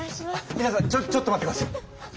みなさんちょちょっと待ってください！